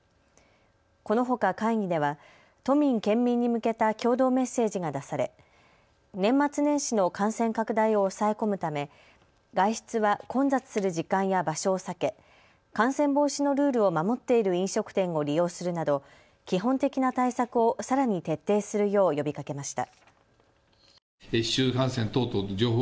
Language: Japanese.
このほか会議では都民、県民に向けた共同メッセージが出され年末年始の感染拡大を抑え込むため外出は混雑する時間や場所を避け感染防止のルールを守っている飲食店を利用するなど基本的な対策をさらに徹底するよう呼びかけました。